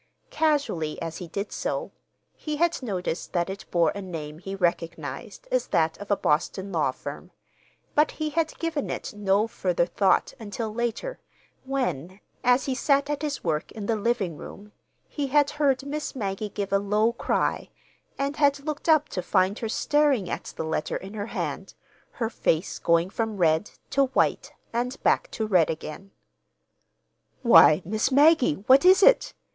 Casually, as he did so, he had noticed that it bore a name he recognized as that of a Boston law firm; but he had given it no further thought until later, when, as he sat at his work in the living room, he had heard Miss Maggie give a low cry and had looked up to find her staring at the letter in her hand, her face going from red to white and back to red again. "Why, Miss Maggie, what is it?"